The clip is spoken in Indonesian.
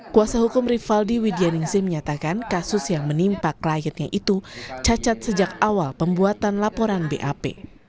kuasa hukum rivaldi widyaningsi menyatakan kasus yang menimpa kliennya itu cacat sejak awal pembuatan laporan bap